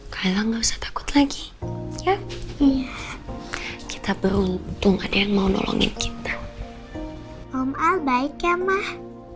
kalah nggak usah takut lagi ya kita beruntung ada yang mau nolongin kita om al baik ya mah